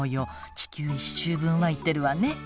地球１周分はいってるわね。